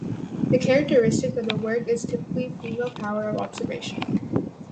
The characteristic of the work is the typically female power of observation.